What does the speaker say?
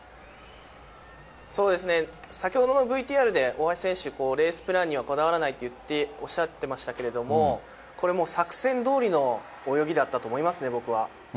そうですね、先ほどのＶＴＲで大橋選手、レースプランにはこだわらないとおっしゃってましたけども、これもう、作戦どおりの泳ぎだったと思いますね、僕は。